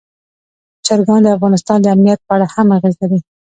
چرګان د افغانستان د امنیت په اړه هم اغېز لري.